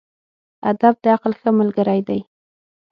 ادب د عقل ښه ملګری دی.